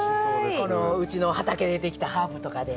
うちの畑で出来たハーブとかで。